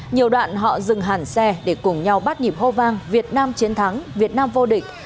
nhiều đoạn họ dừng hẳn xe để cùng nhau bắt nhịp hô vang việt nam chiến thắng việt nam vô địch